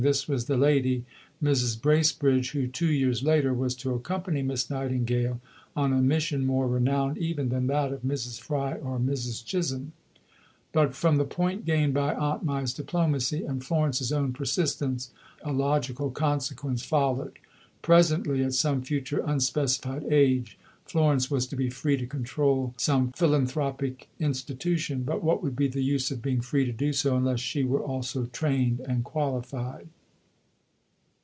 This was the lady Mrs. Bracebridge who two years later was to accompany Miss Nightingale on a mission more renowned even than that of Mrs. Fry or Mrs. Chisholm. But from the point gained by Aunt Mai's diplomacy and Florence's own persistence, a logical consequence followed. Presently, at some future unspecified age, Florence was to be free to control some philanthropic institution; but what would be the use of being free to do so, unless she were also trained and qualified?